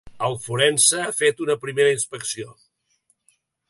El forense ha fet una primera inspecció.